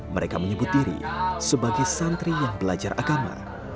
mereka menyebut diri sebagai santri yang belajar agama